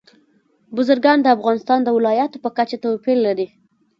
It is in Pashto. بزګان د افغانستان د ولایاتو په کچه توپیر لري.